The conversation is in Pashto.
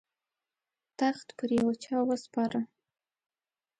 تخت پر یوه چا وسپاره.